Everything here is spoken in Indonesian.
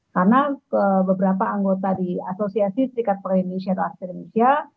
karena beberapa anggota di asosiasi serikat perlindung indonesia atau asr indonesia